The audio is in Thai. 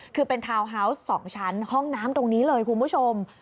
คือเป็นทาวน์ฮาวส์๒ชั้นห้องน้ำตรงนี้เลยคุณผู้ชม